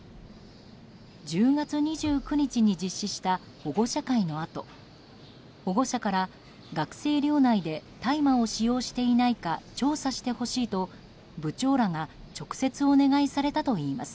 １０月２９日に実施した保護者会のあと保護者から学生寮内で大麻を使用していないか調査してほしいと部長らが直接お願いされたといいます。